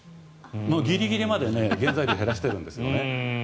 ギリギリまで原材料を減らしているんですよね。